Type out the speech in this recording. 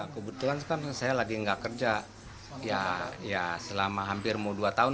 kebetulan sekarang saya lagi nggak kerja selama hampir dua tahun